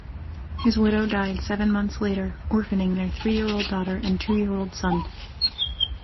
His widow died seven months later, orphaning their three-year-old daughter and two-year-old son.